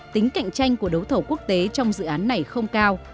tính cạnh tranh của đấu thầu quốc tế trong dự án này không cao